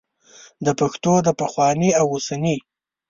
د پښتو د پخواني او اوسني